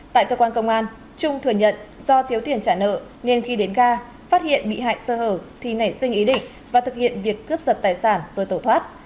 tại cơ quan công an trung thừa nhận do thiếu tiền trả nợ nên khi đến ga phát hiện bị hại sơ hở thì nảy sinh ý định và thực hiện việc cướp giật tài sản rồi tẩu thoát